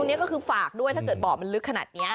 อันนี้ก็คือฝากด้วยถ้าเกิดบ่อมันลึกขนาดนี้